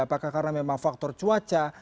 apakah karena memang faktor cuaca